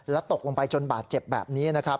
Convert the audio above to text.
ตกลงไปจนบาดเจ็บแบบนี้นะครับ